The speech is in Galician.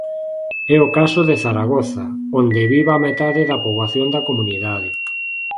É o caso de Zaragoza, onde vive a metade da poboación da comunidade.